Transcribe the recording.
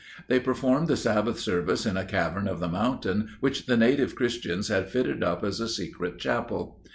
They performed the Sabbath service in a cavern of the mountain which the native christians had fitted up as a secret chapel.